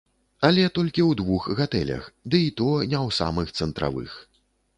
Але толькі ў двух гатэлях, ды і то не ў самых цэнтравых.